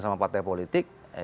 sama partai politik